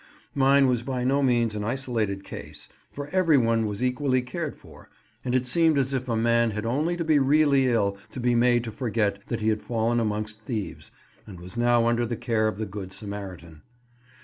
Mine was by no means an isolated case, for every one was equally cared for, and it seemed as if a man had only to be really ill to be made to forget that he had fallen amongst thieves, and was now under the care of the good Samaritan.